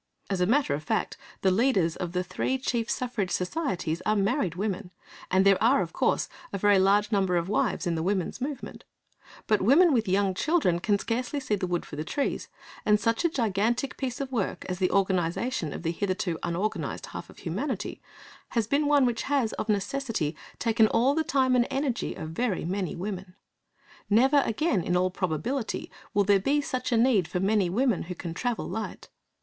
As a matter of fact, the leaders of the three chief suffrage societies are married women, and there are of course a very large number of wives in the women's movement; but women with young children can scarcely see the wood for the trees, and such a gigantic piece of work as the organisation of the hitherto unorganised half of humanity has been one which has, of necessity, taken all the time and energy of very many women. Never again, in all probability, will there be such need for many women who can travel light.